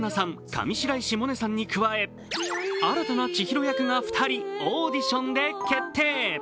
上白石萌音さんに加え新たな千尋役が２人、オーディションで決定。